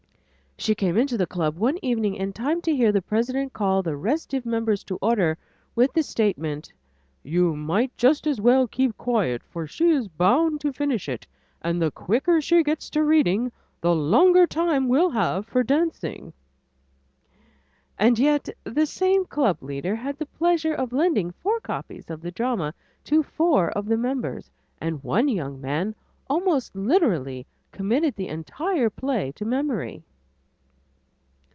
She came into the club room one evening in time to hear the president call the restive members to order with the statement, "You might just as well keep quiet for she is bound to finish it, and the quicker she gets to reading, the longer time we'll have for dancing." And yet the same club leader had the pleasure of lending four copies of the drama to four of the members, and one young man almost literally committed the entire play to memory.